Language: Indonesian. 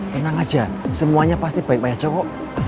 tenang aja semuanya pasti baik baik aja kok